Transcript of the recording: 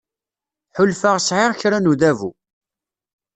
Ḥulfaɣ sεiɣ kra n udabu.